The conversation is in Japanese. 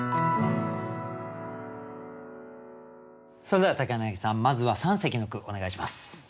それでは柳さんまずは三席の句お願いします。